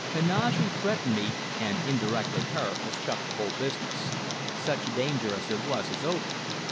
Heneage, who threatened me, and indirectly her, has chucked the whole business. Such danger as there was is over.